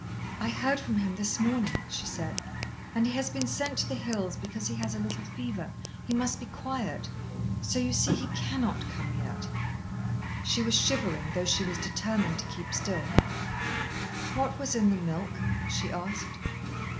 "I heard from him this morning," she said. "And he has been sent to the Hills because he has a little fever. He must be quiet. So you see he cannot come yet." She was shivering, though she was determined to keep still. "What was in the milk?" she asked.